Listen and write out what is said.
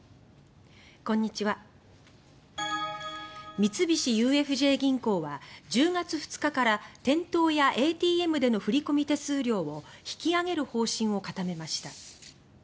三菱ＵＦＪ銀行は１０月２日から店頭やＡＴＭでの振込手数料を引き上げる方針を固めました。